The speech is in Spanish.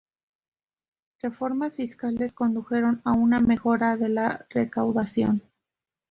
Reformas fiscales condujeron a una mejora de la recaudación.